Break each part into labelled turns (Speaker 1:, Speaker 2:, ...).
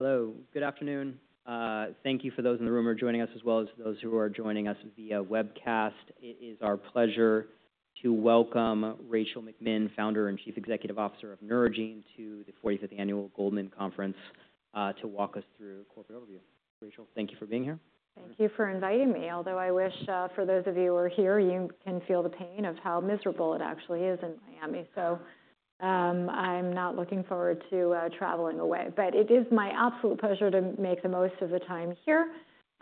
Speaker 1: Hello. Good afternoon. Thank you for those in the room who are joining us, as well as those who are joining us via webcast. It is our pleasure to welcome Rachel McMinn, Founder and Chief Executive Officer of Neurogene to the 45th Annual Global Healthcare Conference, to walk us through a corporate overview. Rachel, thank you for being here.
Speaker 2: Thank you for inviting me, although I wish, for those of you who are here, you can feel the pain of how miserable it actually is in Miami. So, I'm not looking forward to traveling away, but it is my absolute pleasure to make the most of the time here,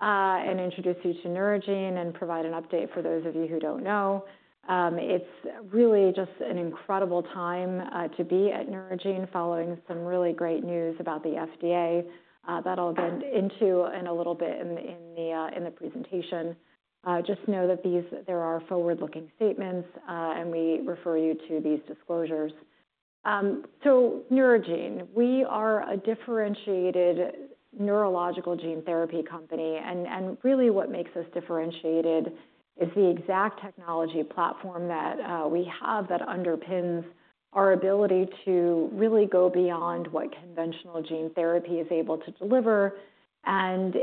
Speaker 2: and introduce you to Neurogene and provide an update for those of you who don't know. It's really just an incredible time to be at Neurogene following some really great news about the FDA that I'll get into in a little bit in the presentation. Just know that these there are forward-looking statements, and we refer you to these disclosures. So Neurogene, we are a differentiated neurological gene therapy company, and really what makes us differentiated is the EXACT technology platform that we have that underpins our ability to really go beyond what conventional gene therapy is able to deliver and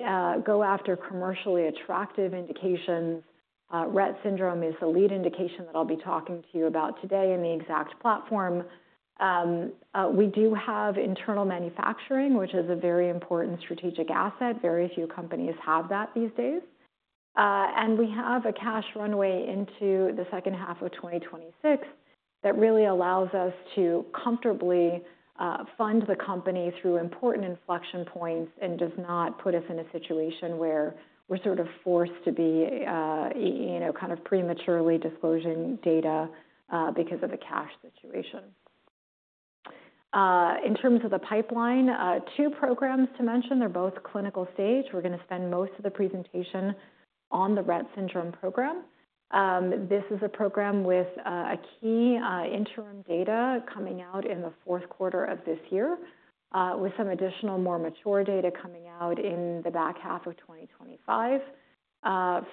Speaker 2: go after commercially attractive indications. Rett syndrome is the lead indication that I'll be talking to you about today and the EXACT platform. We do have internal manufacturing, which is a very important strategic asset. Very few companies have that these days. We have a cash runway into the second half of 2026 that really allows us to comfortably fund the company through important inflection points and does not put us in a situation where we're sort of forced to be, you know, kind of prematurely disclosing data, because of the cash situation. In terms of the pipeline, two programs to mention. They're both clinical stage. We're gonna spend most of the presentation on the Rett syndrome program. This is a program with a key interim data coming out in the fourth quarter of this year, with some additional more mature data coming out in the back half of 2025.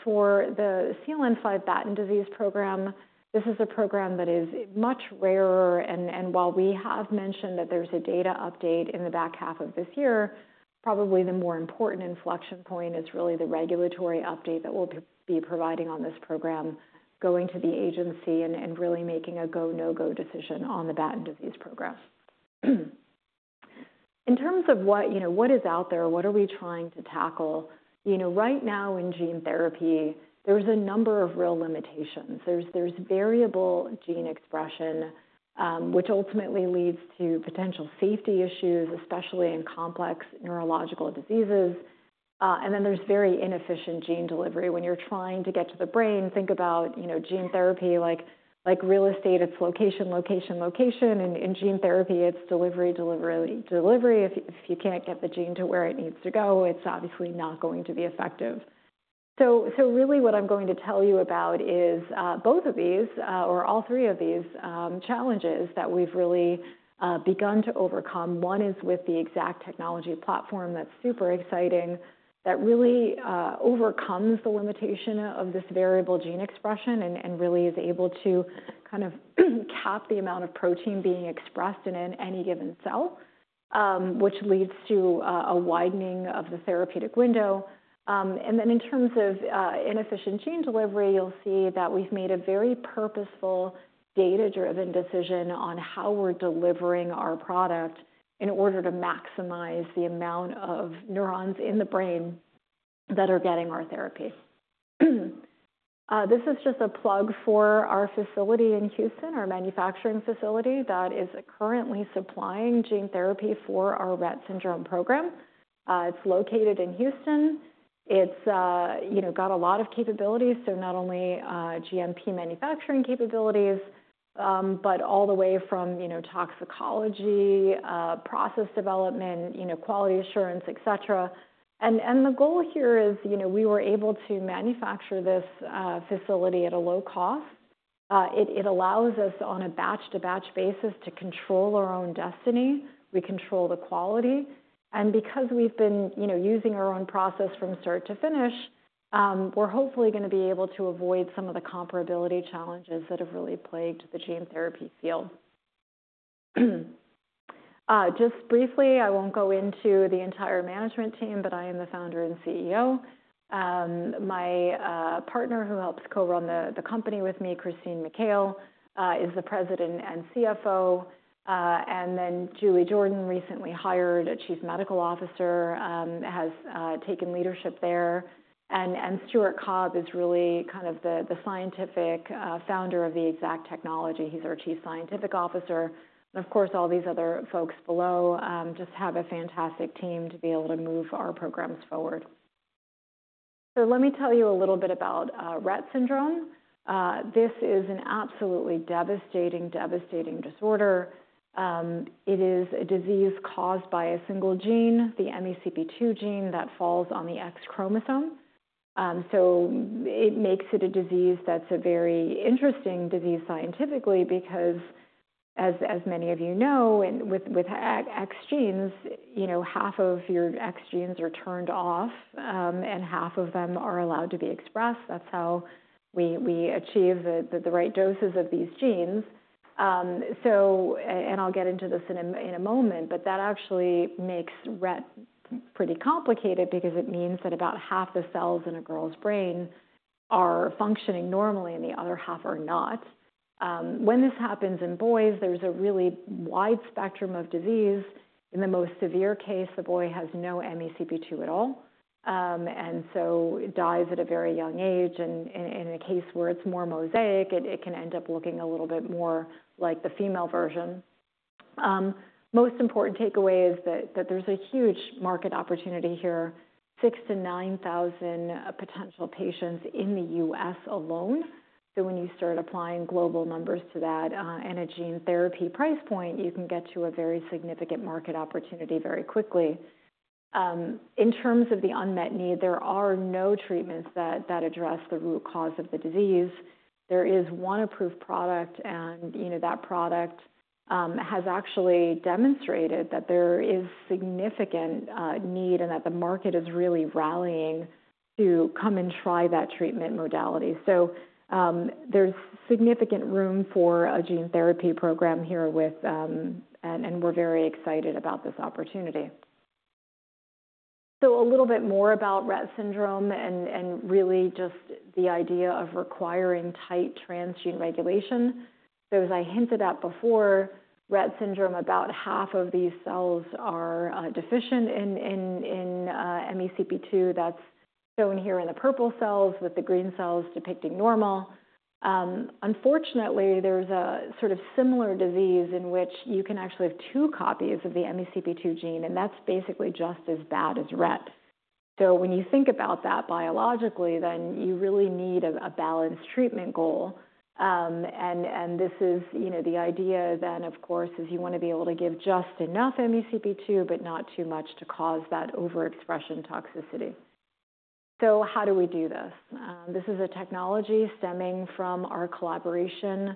Speaker 2: For the CLN5 Batten disease program, this is a program that is much rarer. And while we have mentioned that there's a data update in the back half of this year, probably the more important inflection point is really the regulatory update that we'll be providing on this program, going to the agency and really making a go, no-go decision on the Batten disease program. In terms of what, you know, what is out there, what are we trying to tackle, you know, right now in gene therapy, there's a number of real limitations. There's variable gene expression, which ultimately leads to potential safety issues, especially in complex neurological diseases. And then there's very inefficient gene delivery. When you're trying to get to the brain, think about, you know, gene therapy, like, like real estate, it's location, location, location. And in gene therapy, it's delivery, delivery, delivery. If you can't get the gene to where it needs to go, it's obviously not going to be effective. So really what I'm going to tell you about is both of these, or all three of these, challenges that we've really begun to overcome. One is with the EXACT technology platform that's super exciting, that really overcomes the limitation of this variable gene expression and really is able to kind of cap the amount of protein being expressed in any given cell, which leads to a widening of the therapeutic window. And then, in terms of inefficient gene delivery, you'll see that we've made a very purposeful data-driven decision on how we're delivering our product in order to maximize the amount of neurons in the brain that are getting our therapy. This is just a plug for our facility in Houston, our manufacturing facility that is currently supplying gene therapy for our Rett syndrome program. It's located in Houston. It's, you know, got a lot of capabilities, so not only GMP manufacturing capabilities, but all the way from, you know, toxicology, process development, you know, quality assurance, et cetera. And the goal here is, you know, we were able to manufacture this facility at a low cost. It allows us on a batch-to-batch basis to control our own destiny. We control the quality. Because we've been, you know, using our own process from start to finish, we're hopefully gonna be able to avoid some of the comparability challenges that have really plagued the gene therapy field. Just briefly, I won't go into the entire management team, but I am the founder and CEO. My partner who helps co-run the company with me, Christine Mikail, is the President and CFO. Then Julie Jordan, recently hired Chief Medical Officer, has taken leadership there. And Stuart Cobb is really kind of the scientific founder of the EXACT technology. He's our Chief Scientific Officer. And of course, all these other folks below just have a fantastic team to be able to move our programs forward. So let me tell you a little bit about Rett syndrome. This is an absolutely devastating, devastating disorder. It is a disease caused by a single gene, the MECP2 gene that falls on the X chromosome. So it makes it a disease that's a very interesting disease scientifically because, as many of you know, and with X genes, you know, half of your X genes are turned off, and half of them are allowed to be expressed. That's how we achieve the right doses of these genes. So, and I'll get into this in a moment, but that actually makes Rett pretty complicated because it means that about half the cells in a girl's brain are functioning normally and the other half are not. When this happens in boys, there's a really wide spectrum of disease. In the most severe case, the boy has no MECP2 at all, and so it dies at a very young age. In a case where it's more mosaic, it can end up looking a little bit more like the female version. Most important takeaway is that there's a huge market opportunity here, 6,000-9,000 potential patients in the U.S. alone. So when you start applying global numbers to that, and a gene therapy price point, you can get to a very significant market opportunity very quickly. In terms of the unmet need, there are no treatments that address the root cause of the disease. There is one approved product, and, you know, that product has actually demonstrated that there is significant need and that the market is really rallying to come and try that treatment modality. So, there's significant room for a gene therapy program here, and we're very excited about this opportunity. So a little bit more about Rett syndrome and really just the idea of requiring tight transgene regulation. So as I hinted at before, Rett syndrome, about half of these cells are deficient in MECP2. That's shown here in the purple cells with the green cells depicting normal. Unfortunately, there's a sort of similar disease in which you can actually have two copies of the MECP2 gene, and that's basically just as bad as Rett. So when you think about that biologically, then you really need a balanced treatment goal. And this is, you know, the idea then, of course, is you wanna be able to give just enough MECP2, but not too much to cause that overexpression toxicity. So how do we do this? This is a technology stemming from our collaboration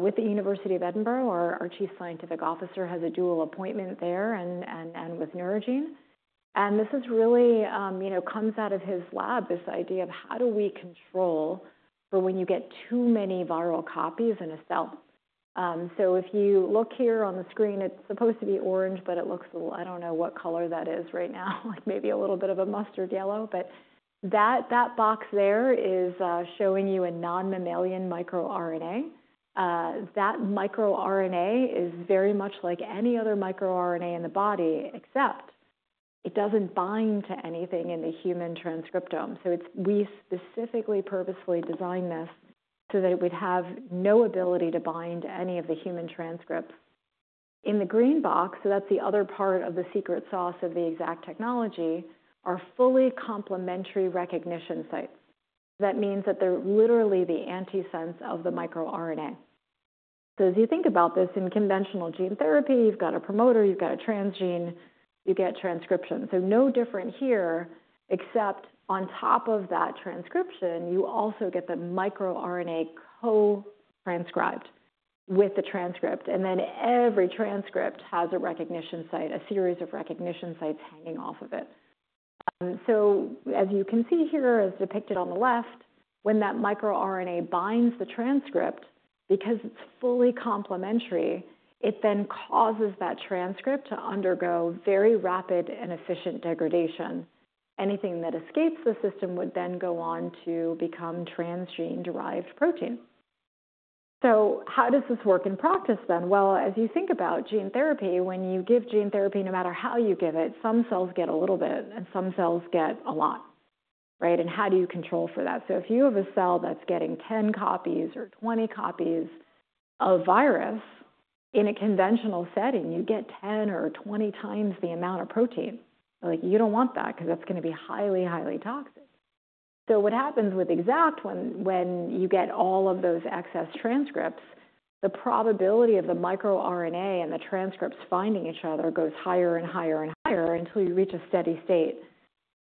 Speaker 2: with the University of Edinburgh. Our Chief Scientific Officer has a dual appointment there and with Neurogene. This is really, you know, comes out of his lab, this idea of how do we control for when you get too many viral copies in a cell. If you look here on the screen, it's supposed to be orange, but it looks a little, I don't know what color that is right now, like maybe a little bit of a mustard yellow, but that box there is showing you a non-mammalian microRNA. That microRNA is very much like any other microRNA in the body, except it doesn't bind to anything in the human transcriptome. It's, we specifically purposefully designed this so that it would have no ability to bind to any of the human transcripts. In the green box, so that's the other part of the secret sauce of the EXACT technology, are fully complementary recognition sites. That means that they're literally the antisense of the microRNA. So as you think about this in conventional gene therapy, you've got a promoter, you've got a transgene, you get transcription. So no different here, except on top of that transcription, you also get the microRNA co-transcribed with the transcript. And then every transcript has a recognition site, a series of recognition sites hanging off of it. So as you can see here, as depicted on the left, when that microRNA binds the transcript, because it's fully complementary, it then causes that transcript to undergo very rapid and efficient degradation. Anything that escapes the system would then go on to become transgene-derived protein. So how does this work in practice then? Well, as you think about gene therapy, when you give gene therapy, no matter how you give it, some cells get a little bit and some cells get a lot, right? And how do you control for that? So if you have a cell that's getting 10 copies or 20 copies of virus in a conventional setting, you get 10 or 20 times the amount of protein. Like you don't want that 'cause that's gonna be highly, highly toxic. So what happens with EXACT when you get all of those excess transcripts, the probability of the microRNA and the transcripts finding each other goes higher and higher and higher until you reach a steady state.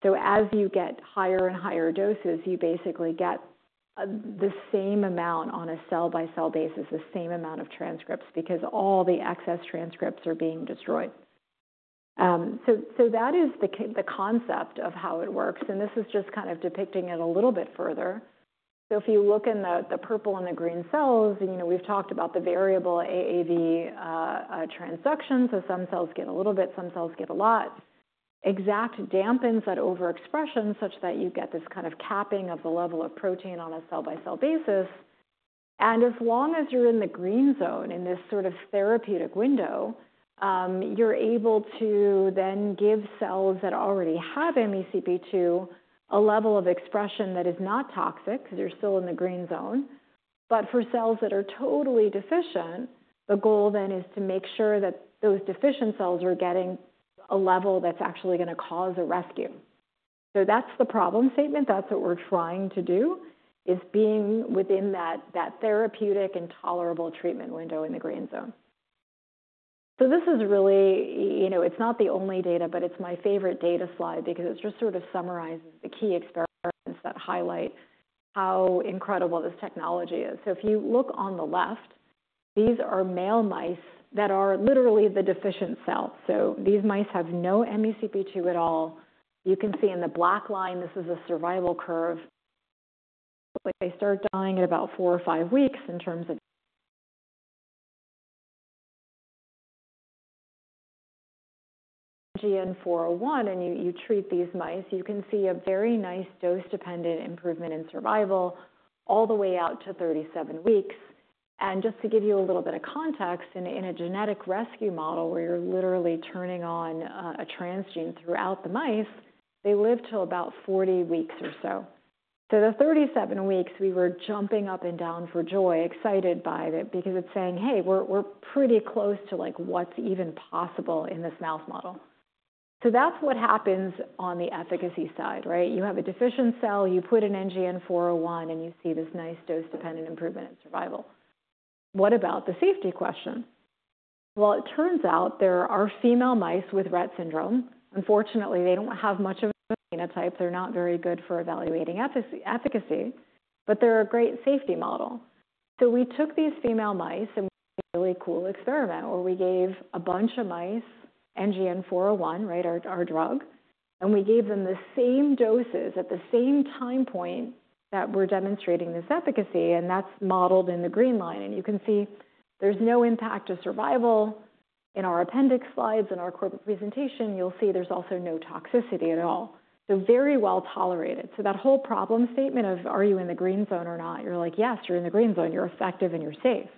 Speaker 2: So as you get higher and higher doses, you basically get the same amount on a cell-by-cell basis, the same amount of transcripts because all the excess transcripts are being destroyed. So that is the concept of how it works. And this is just kind of depicting it a little bit further. So if you look in the purple and the green cells, you know, we've talked about the variable AAV transduction. So some cells get a little bit, some cells get a lot. EXACT dampens that overexpression such that you get this kind of capping of the level of protein on a cell-by-cell basis. And as long as you're in the green zone in this sort of therapeutic window, you're able to then give cells that already have MECP2 a level of expression that is not toxic 'cause you're still in the green zone. But for cells that are totally deficient, the goal then is to make sure that those deficient cells are getting a level that's actually gonna cause a rescue. So that's the problem statement. That's what we're trying to do is being within that therapeutic and tolerable treatment window in the green zone. So this is really, you know, it's not the only data, but it's my favorite data slide because it just sort of summarizes the key experiments that highlight how incredible this technology is. So if you look on the left, these are male mice that are literally the deficient cell. So these mice have no MECP2 at all. You can see in the black line, this is a survival curve. Like they start dying at about four or five weeks in terms of NGN-401. And you treat these mice, you can see a very nice dose-dependent improvement in survival all the way out to 37 weeks. And just to give you a little bit of context, in a genetic rescue model where you're literally turning on a transgene throughout the mice, they live till about 40 weeks or so. So the 37 weeks, we were jumping up and down for joy, excited by it because it's saying, hey, we're pretty close to like what's even possible in this mouse model. So that's what happens on the efficacy side, right? You have a deficient cell, you put in NGN-401, and you see this nice dose-dependent improvement in survival. What about the safety question? Well, it turns out there are female mice with Rett syndrome. Unfortunately, they don't have much of a phenotype. They're not very good for evaluating efficacy, but they're a great safety model. So we took these female mice and we did a really cool experiment where we gave a bunch of mice NGN-401, right, our drug, and we gave them the same doses at the same time point that we're demonstrating this efficacy. And that's modeled in the green line. And you can see there's no impact to survival in our appendix slides and our corporate presentation. You'll see there's also no toxicity at all. So very well tolerated. So that whole problem statement of, are you in the green zone or not? You're like, yes, you're in the green zone. You're effective and you're safe.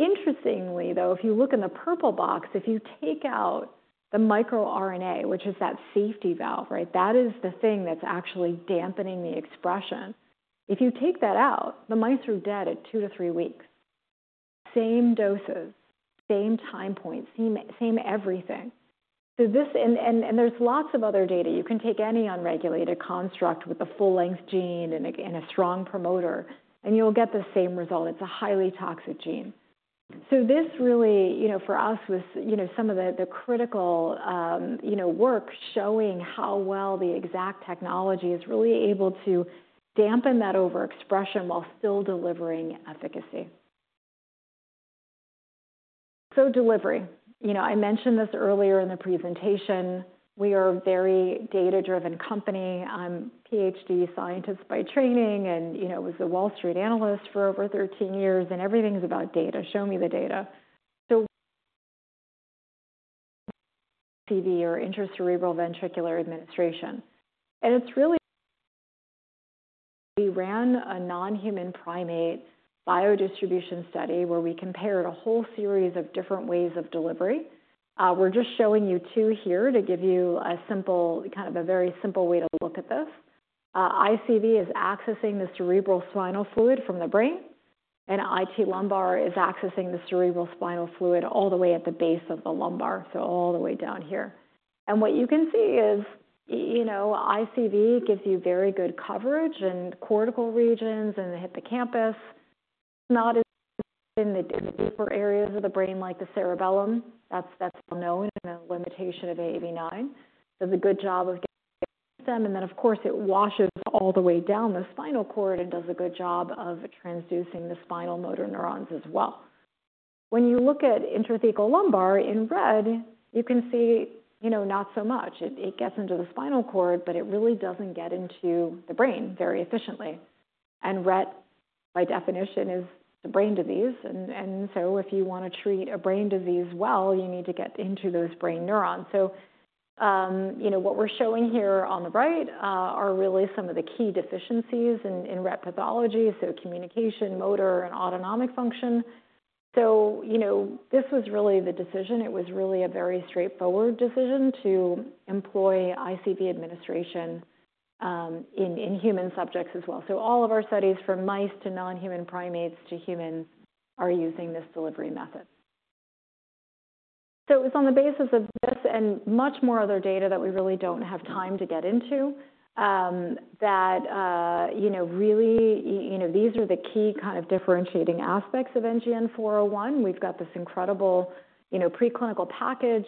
Speaker 2: Interestingly though, if you look in the purple box, if you take out the microRNA, which is that safety valve, right? That is the thing that's actually dampening the expression. If you take that out, the mice are dead at two to three weeks. Same doses, same time point, same everything. So this, there's lots of other data. You can take any unregulated construct with the full-length gene and a strong promoter, and you'll get the same result. It's a highly toxic gene. So this really, you know, for us was, you know, some of the critical, you know, work showing how well the EXACT technology is really able to dampen that overexpression while still delivering efficacy. So delivery, you know, I mentioned this earlier in the presentation, we are a very data-driven company. I'm a PhD scientist by training and, you know, was a Wall Street analyst for over 13 years and everything's about data. Show me the data. So ICV or intracerebroventricular administration. And it's really, we ran a non-human primate biodistribution study where we compared a whole series of different ways of delivery. We're just showing you two here to give you a simple, kind of a very simple way to look at this. ICV is accessing the cerebrospinal fluid from the brain and IT lumbar is accessing the cerebrospinal fluid all the way at the base of the lumbar. So all the way down here. And what you can see is, you know, ICV gives you very good coverage in cortical regions and the hippocampus. It's not in the, in the deeper areas of the brain like the cerebellum. That's, that's well known and the limitation of AAV9 does a good job of getting them. And then of course it washes all the way down the spinal cord and does a good job of transducing the spinal motor neurons as well. When you look at intrathecal lumbar in red, you can see, you know, not so much. It gets into the spinal cord, but it really doesn't get into the brain very efficiently. And Rett, by definition, is the brain disease. And so if you wanna treat a brain disease well, you need to get into those brain neurons. So, you know, what we're showing here on the right are really some of the key deficiencies in Rett pathology. So communication, motor, and autonomic function. So, you know, this was really the decision. It was really a very straightforward decision to employ ICV administration in human subjects as well. So all of our studies from mice to non-human primates to humans are using this delivery method. So it was on the basis of this and much more other data that we really don't have time to get into, that, you know, really, you know, these are the key kind of differentiating aspects of NGN-401. We've got this incredible, you know, preclinical package.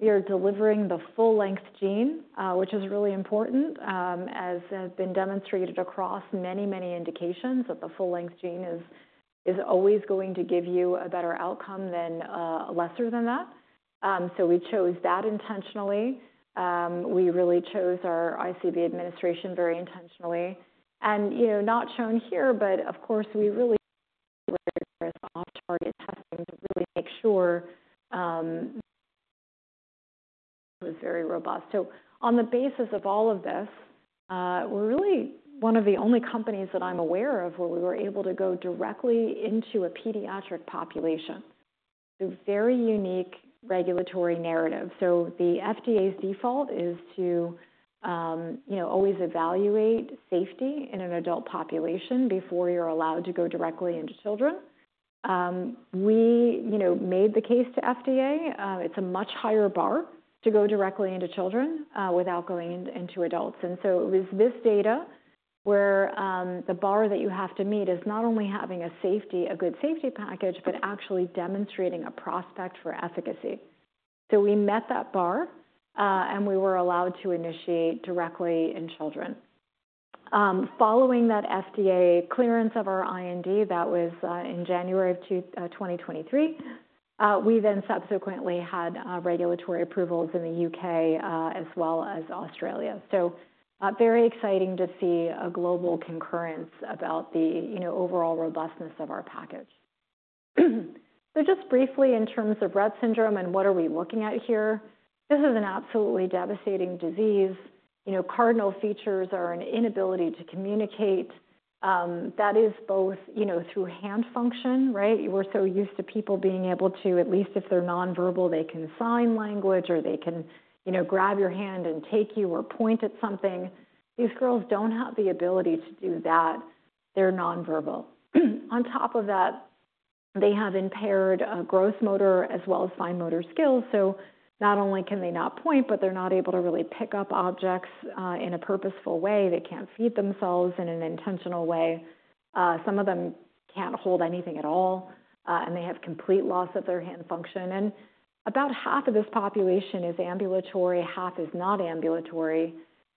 Speaker 2: You're delivering the full-length gene, which is really important, as has been demonstrated across many, many indications that the full-length gene is always going to give you a better outcome than lesser than that. So we chose that intentionally. We really chose our ICV administration very intentionally. And, you know, not shown here, but of course we really were off-target testing to really make sure, it was very robust. So on the basis of all of this, we're really one of the only companies that I'm aware of where we were able to go directly into a pediatric population. So very unique regulatory narrative. So the FDA's default is to, you know, always evaluate safety in an adult population before you're allowed to go directly into children. We, you know, made the case to FDA, it's a much higher bar to go directly into children, without going into adults. And so it was this data where, the bar that you have to meet is not only having a safety, a good safety package, but actually demonstrating a prospect for efficacy. So we met that bar, and we were allowed to initiate directly in children. Following that FDA clearance of our IND, that was in January 2023, we then subsequently had regulatory approvals in the U.K., as well as Australia. So, very exciting to see a global concurrence about the, you know, overall robustness of our package. So just briefly in terms of Rett syndrome and what are we looking at here, this is an absolutely devastating disease. You know, cardinal features are an inability to communicate, that is both, you know, through hand function, right? We're so used to people being able to, at least if they're non-verbal, they can sign language or they can, you know, grab your hand and take you or point at something. These girls don't have the ability to do that. They're non-verbal. On top of that, they have impaired, gross motor as well as fine motor skills. So not only can they not point, but they're not able to really pick up objects, in a purposeful way. They can't feed themselves in an intentional way. Some of them can't hold anything at all, and they have complete loss of their hand function. About half of this population is ambulatory, half is not ambulatory.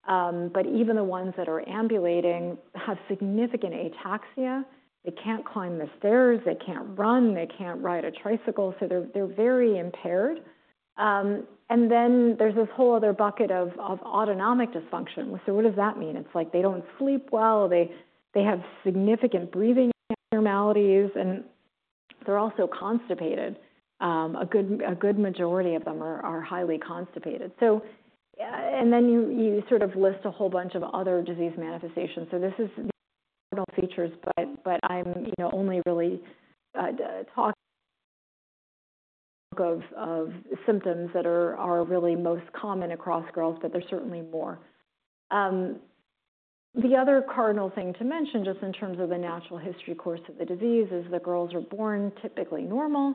Speaker 2: But even the ones that are ambulating have significant ataxia. They can't climb the stairs, they can't run, they can't ride a tricycle. So they're very impaired. And then there's this whole other bucket of autonomic dysfunction. So what does that mean? It's like they don't sleep well, they have significant breathing abnormalities and they're also constipated. A good majority of them are highly constipated. So, and then you sort of list a whole bunch of other disease manifestations. So this is the cardinal features, but I'm, you know, only really talking of symptoms that are really most common across girls, but there's certainly more. The other cardinal thing to mention just in terms of the natural history course of the disease is the girls are born typically normal.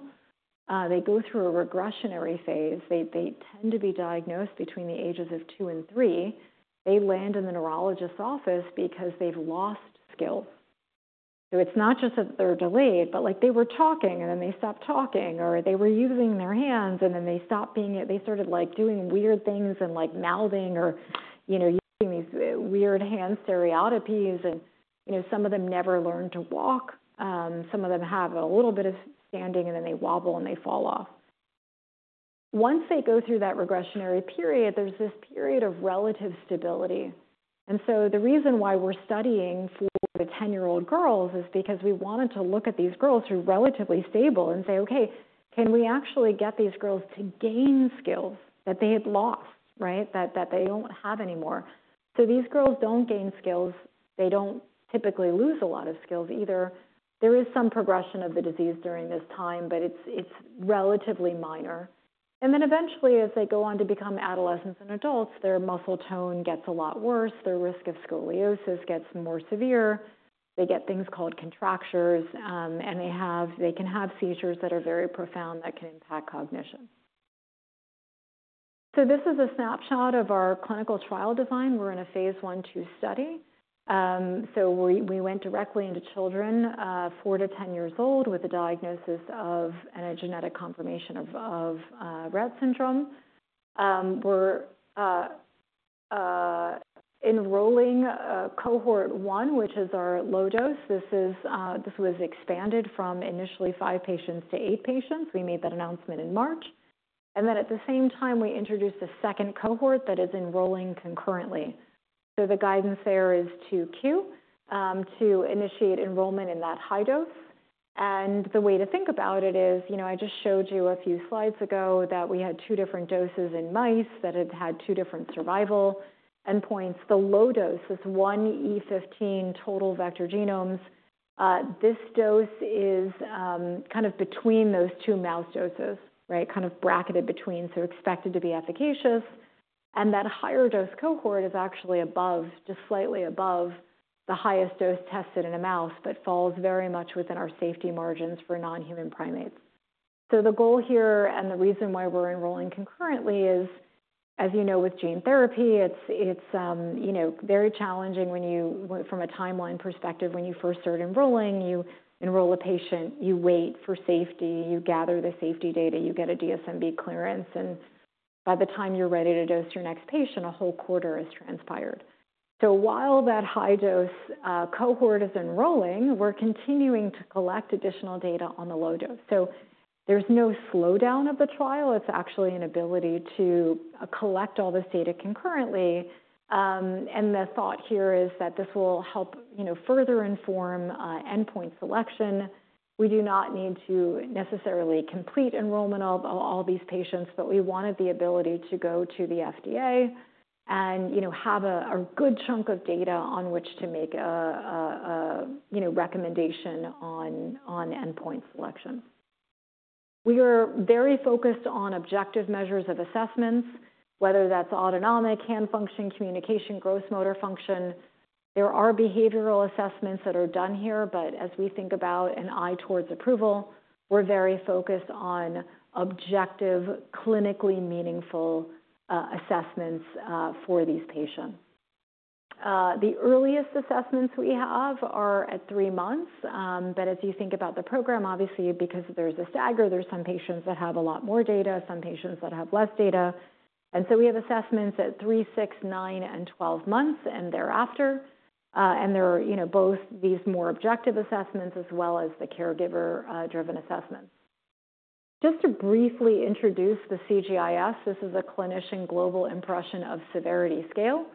Speaker 2: They go through a regressive phase. They tend to be diagnosed between the ages of two and three. They land in the neurologist's office because they've lost skills. So it's not just that they're delayed, but like they were talking and then they stopped talking or they were using their hands and then they stopped being it. They started like doing weird things and like mouthing or, you know, using these weird hand stereotypies. And, you know, some of them never learn to walk. Some of them have a little bit of standing and then they wobble and they fall off. Once they go through that regressive period, there's this period of relative stability. So the reason why we're studying for the 10-year-old girls is because we wanted to look at these girls who are relatively stable and say, okay, can we actually get these girls to gain skills that they had lost, right? That, that they don't have anymore. So these girls don't gain skills. They don't typically lose a lot of skills either. There is some progression of the disease during this time, but it's, it's relatively minor. And then eventually as they go on to become adolescents and adults, their muscle tone gets a lot worse. Their risk of scoliosis gets more severe. They get things called contractures, and they have, they can have seizures that are very profound that can impact cognition. So this is a snapshot of our clinical trial design. We're in a Phase 1/2 study. So we went directly into children four to 10 years old with a diagnosis of and a genetic confirmation of Rett syndrome. We're enrolling cohort 1, which is our low dose. This was expanded from initially five patients to eight patients. We made that announcement in March. And then at the same time, we introduced a second cohort that is enrolling concurrently. So the guidance there is to initiate enrollment in that high dose. And the way to think about it is, you know, I just showed you a few slides ago that we had two different doses in mice that had two different survival endpoints. The low dose is 1E15 total vector genomes. This dose is kind of between those two mouse doses, right? Kind of bracketed between, so expected to be efficacious. That higher dose cohort is actually above, just slightly above the highest dose tested in a mouse, but falls very much within our safety margins for non-human primates. So the goal here and the reason why we're enrolling concurrently is, as you know, with gene therapy, it's you know, very challenging when you, from a timeline perspective, when you first start enrolling, you enroll a patient, you wait for safety, you gather the safety data, you get a DSMB clearance, and by the time you're ready to dose your next patient, a whole quarter has transpired. So while that high dose cohort is enrolling, we're continuing to collect additional data on the low dose. So there's no slowdown of the trial. It's actually an ability to collect all this data concurrently, and the thought here is that this will help you know, further inform endpoint selection. We do not need to necessarily complete enrollment of all these patients, but we wanted the ability to go to the FDA and, you know, have a you know recommendation on endpoint selection. We are very focused on objective measures of assessments, whether that's autonomic hand function, communication, gross motor function. There are behavioral assessments that are done here, but as we think about an eye towards approval, we're very focused on objective, clinically meaningful, assessments, for these patients. The earliest assessments we have are at three months. But as you think about the program, obviously, because there's a stagger, there's some patients that have a lot more data, some patients that have less data. And so we have assessments at three, six, nine and 12 months and thereafter. And there are, you know, both these more objective assessments as well as the caregiver-driven assessments. Just to briefly introduce the CGIS, this is a Clinician Global Impression of Severity scale.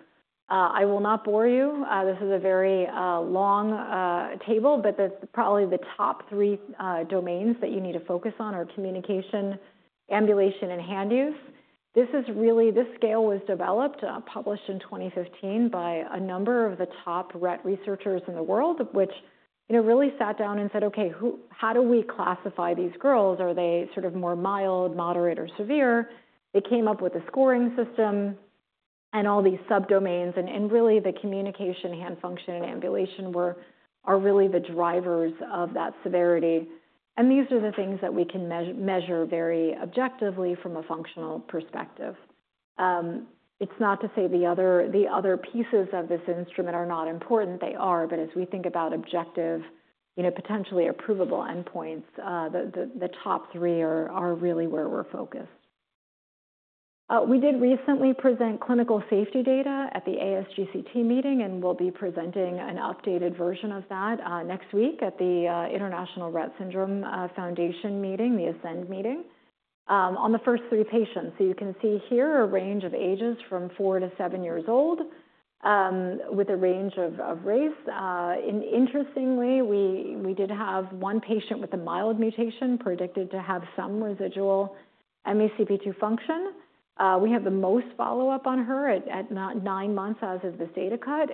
Speaker 2: I will not bore you. This is a very long table, but that's probably the top three domains that you need to focus on are communication, ambulation, and hand use. This scale was developed, published in 2015 by a number of the top Rett researchers in the world, which, you know, really sat down and said, okay, how do we classify these girls? Are they sort of more mild, moderate, or severe? They came up with a scoring system and all these subdomains. And really the communication, hand function, and ambulation are really the drivers of that severity. These are the things that we can measure, measure very objectively from a functional perspective. It's not to say the other, the other pieces of this instrument are not important. They are, but as we think about objective, you know, potentially approvable endpoints, the, the, the top three are, are really where we're focused. We did recently present clinical safety data at the ASGCT meeting and we'll be presenting an updated version of that, next week at the International Rett Syndrome Foundation meeting, the ASCEND meeting, on the first three patients. So you can see here a range of ages from four to seven years old, with a range of, of race. And interestingly, we, we did have one patient with a mild mutation predicted to have some residual MECP2 function. We have the most follow-up on her at, at not nine months as of this data cut.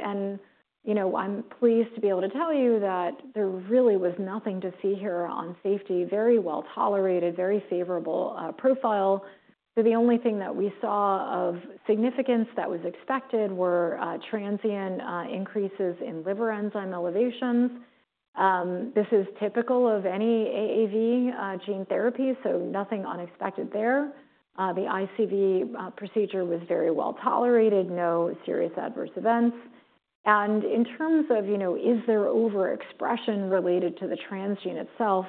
Speaker 2: You know, I'm pleased to be able to tell you that there really was nothing to see here on safety, very well tolerated, very favorable profile. So the only thing that we saw of significance that was expected were transient increases in liver enzyme elevations. This is typical of any AAV gene therapy, so nothing unexpected there. The ICV procedure was very well tolerated, no serious adverse events. And in terms of, you know, is there overexpression related to the transgene itself,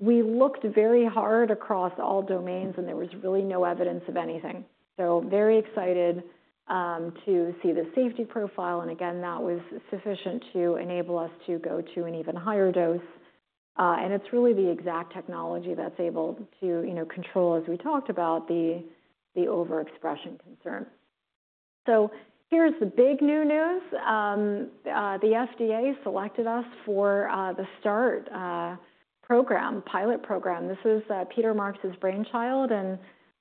Speaker 2: we looked very hard across all domains and there was really no evidence of anything. So very excited to see the safety profile. And again, that was sufficient to enable us to go to an even higher dose. And it's really the EXACT technology that's able to, you know, control as we talked about the overexpression concern. So here's the big new news. The FDA selected us for the START Pilot Program. This is Peter Marks' brainchild and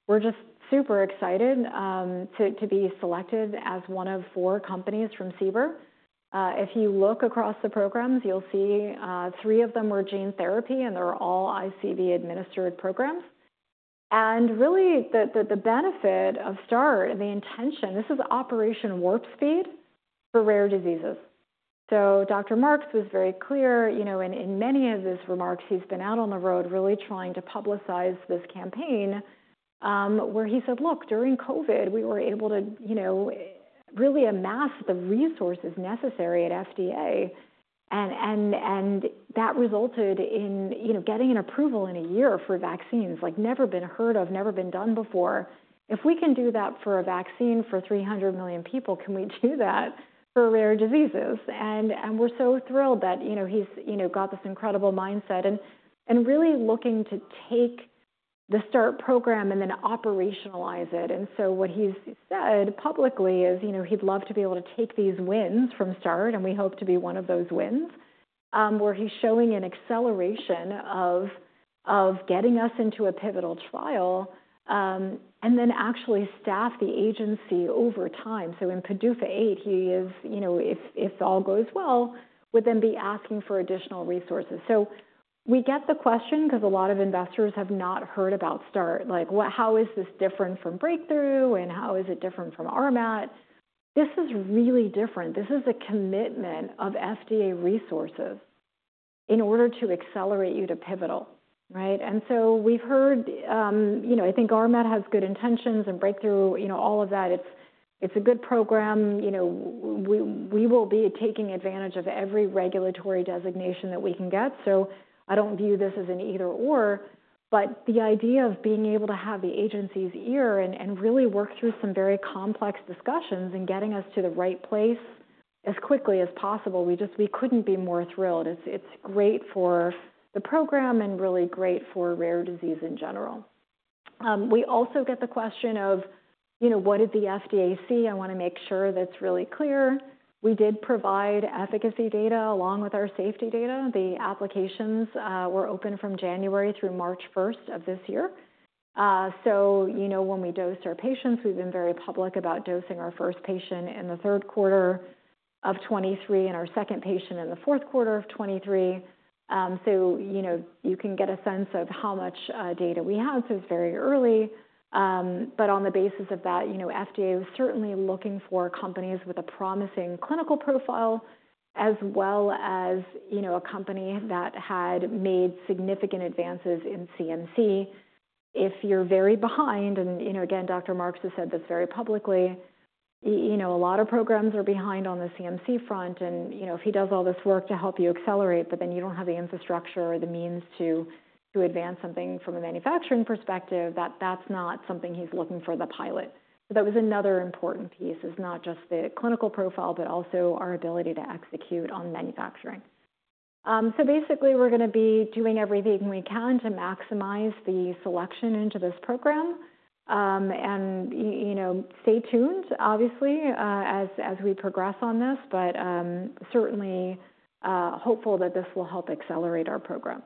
Speaker 2: we're just super excited to be selected as one of four companies from CBER. If you look across the programs, you'll see three of them were gene therapy and they're all ICV administered programs. And really the benefit of START and the intention, this is Operation Warp Speed for rare diseases. So Dr. Marks was very clear, you know, in many of his remarks, he's been out on the road really trying to publicize this campaign, where he said, look, during COVID we were able to, you know, really amass the resources necessary at FDA and that resulted in, you know, getting an approval in a year for vaccines, like never been heard of, never been done before. If we can do that for a vaccine for 300 million people, can we do that for rare diseases? And we're so thrilled that, you know, he's, you know, got this incredible mindset and really looking to take the START program and then operationalize it. And so what he's said publicly is, you know, he'd love to be able to take these wins from START and we hope to be one of those wins, where he's showing an acceleration of getting us into a pivotal trial, and then actually staff the agency over time. So in PDUFA 8, he is, you know, if all goes well, would then be asking for additional resources. So we get the question 'cause a lot of investors have not heard about START, like what, how is this different from Breakthrough and how is it different from RMAT? This is really different. This is a commitment of FDA resources in order to accelerate you to pivotal, right? And so we've heard, you know, I think RMAT has good intentions and Breakthrough, you know, all of that. It's, it's a good program. You know, we, we will be taking advantage of every regulatory designation that we can get. So I don't view this as an either or, but the idea of being able to have the agency's ear and, and really work through some very complex discussions and getting us to the right place as quickly as possible. We just, we couldn't be more thrilled. It's, it's great for the program and really great for rare disease in general. We also get the question of, you know, what did the FDA see? I wanna make sure that's really clear. We did provide efficacy data along with our safety data. The applications were open from January through March 1st of this year. So, you know, when we dose our patients, we've been very public about dosing our first patient in the third quarter of 2023 and our second patient in the fourth quarter of 2023. So, you know, you can get a sense of how much data we have. So it's very early. But on the basis of that, you know, FDA was certainly looking for companies with a promising clinical profile as well as, you know, a company that had made significant advances in CMC. If you're very behind and, you know, again, Dr. Marks has said this very publicly, you know, a lot of programs are behind on the CMC front and, you know, if he does all this work to help you accelerate, but then you don't have the infrastructure or the means to advance something from a manufacturing perspective, that that's not something he's looking for the pilot. So that was another important piece is not just the clinical profile, but also our ability to execute on manufacturing. So basically we're gonna be doing everything we can to maximize the selection into this program. And you, you know, stay tuned obviously, as we progress on this, but certainly hopeful that this will help accelerate our program.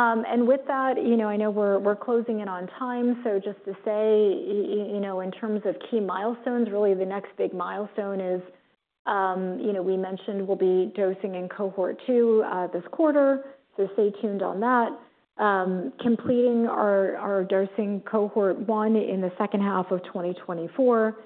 Speaker 2: And with that, you know, I know we're closing in on time. So just to say, you know, in terms of key milestones, really the next big milestone is, you know, we mentioned we'll be dosing in cohort two, this quarter. So stay tuned on that. Completing our dosing cohort one in the second half of 2024.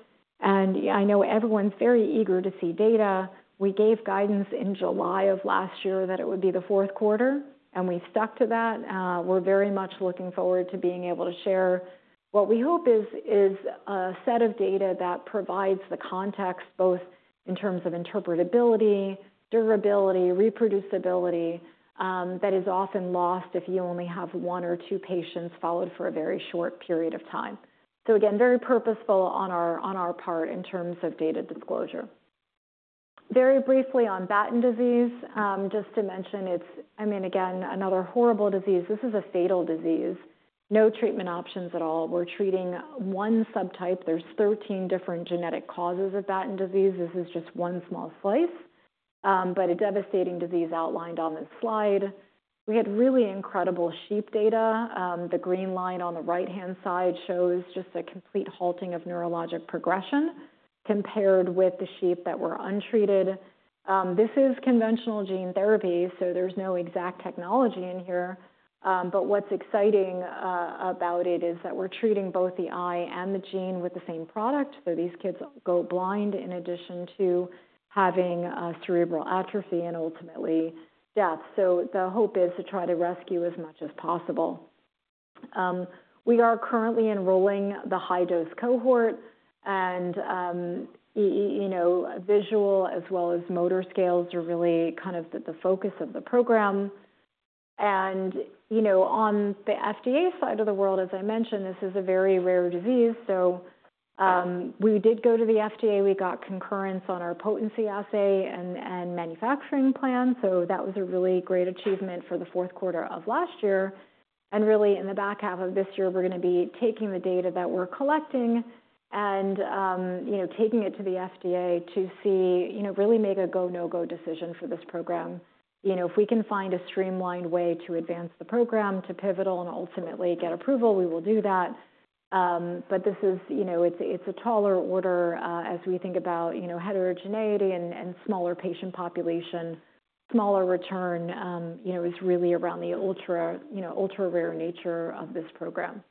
Speaker 2: I know everyone's very eager to see data. We gave guidance in July of last year that it would be the fourth quarter and we've stuck to that. We're very much looking forward to being able to share what we hope is a set of data that provides the context both in terms of interpretability, durability, reproducibility, that is often lost if you only have one or two patients followed for a very short period of time. So again, very purposeful on our part in terms of data disclosure. Very briefly on Batten disease, just to mention it's, I mean, again, another horrible disease. This is a fatal disease. No treatment options at all. We're treating one subtype. There's 13 different genetic causes of Batten disease. This is just one small slice, but a devastating disease outlined on this slide. We had really incredible sheep data. The green line on the right-hand side shows just a complete halting of neurologic progression compared with the sheep that were untreated. This is conventional gene therapy, so there's no EXACT technology in here. But what's exciting about it is that we're treating both the eye and the gene with the same product. So these kids go blind in addition to having cerebral atrophy and ultimately death. So the hope is to try to rescue as much as possible. We are currently enrolling the high dose cohort and, you know, visual as well as motor scales are really kind of the focus of the program. And, you know, on the FDA side of the world, as I mentioned, this is a very rare disease. So, we did go to the FDA, we got concurrence on our potency assay and manufacturing plan. So that was a really great achievement for the fourth quarter of last year. And really in the back half of this year, we're gonna be taking the data that we're collecting and, you know, taking it to the FDA to see, you know, really make a go, no go decision for this program. You know, if we can find a streamlined way to advance the program to pivotal and ultimately get approval, we will do that. But this is, you know, it's a taller order, as we think about, you know, heterogeneity and smaller patient population, smaller return, you know, is really around the ultra, you know, ultra rare nature of this program.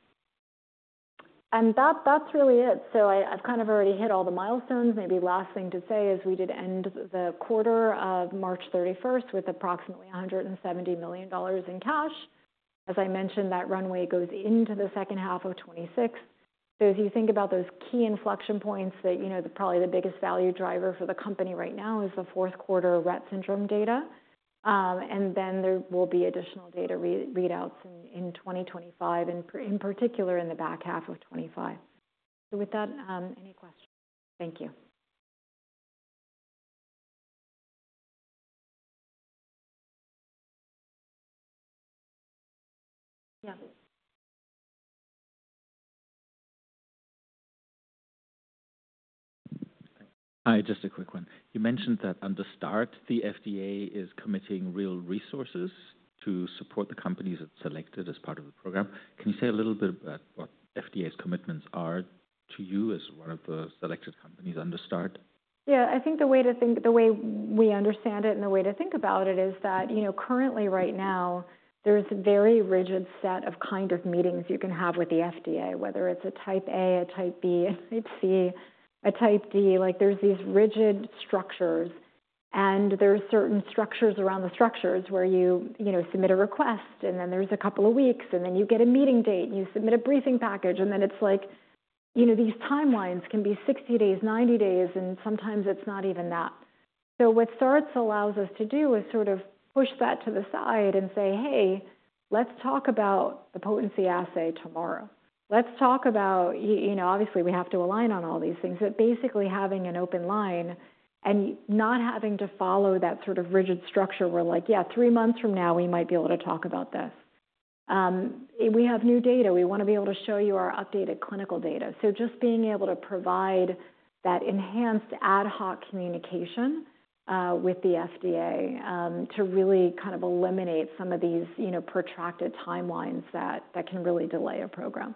Speaker 2: And that, that's really it. So I, I've kind of already hit all the milestones. Maybe last thing to say is we did end the quarter of March 31st with approximately $170 million in cash. As I mentioned, that runway goes into the second half of 2026. So if you think about those key inflection points that, you know, probably the biggest value driver for the company right now is the fourth quarter Rett syndrome data. And then there will be additional data re-readouts in 2025 and in particular in the back half of 2025. So with that, any questions? Thank you. Yeah.
Speaker 3: Hi, just a quick one. You mentioned that under START, the FDA is committing real resources to support the companies that selected as part of the program. Can you say a little bit about what FDA's commitments are to you as one of the selected companies under START?
Speaker 2: Yeah, I think the way to think, the way we understand it and the way to think about it is that, you know, currently right now there's a very rigid set of kind of meetings you can have with the FDA, whether it's a Type A, a Type B, a Type C, a Type D, like there's these rigid structures and there's certain structures around the structures where you, you know, submit a request and then there's a couple of weeks and then you get a meeting date and you submit a briefing package. And then it's like, you know, these timelines can be 60 days, 90 days, and sometimes it's not even that. So what START allows us to do is sort of push that to the side and say, hey, let's talk about the potency assay tomorrow. Let's talk about, you know, obviously we have to align on all these things, but basically having an open line and not having to follow that sort of rigid structure where like, yeah, three months from now we might be able to talk about this. We have new data. We wanna be able to show you our updated clinical data. So just being able to provide that enhanced ad hoc communication with the FDA to really kind of eliminate some of these, you know, protracted timelines that can really delay a program.